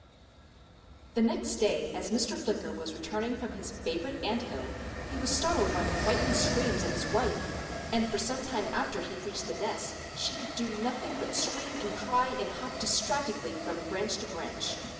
The next day as Mr. Flicker was returning from his favorite ant hill, he was startled by the frightened screams of his wife, and for some time after he reached the nest she could do nothing but scream and cry and hop distractedly from branch to branch.